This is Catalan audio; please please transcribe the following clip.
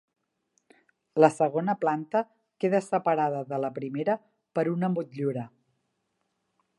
La segona planta queda separada de la primera per una motllura.